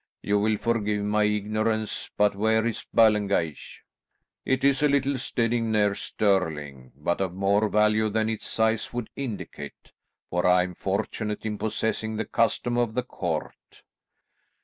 "You will forgive my ignorance, but where is Ballengeich?" "It is a little steading near Stirling, but of more value than its size would indicate, for I am fortunate in possessing the custom of the court."